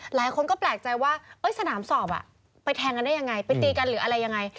หลายคนก็แปลกใจว่าสนามสอบไปแทงกันได้ยังไงไปตีกันหรืออะไรยังไง